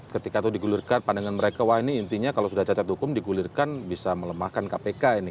ketika itu digulirkan pandangan mereka wah ini intinya kalau sudah cacat hukum digulirkan bisa melemahkan kpk ini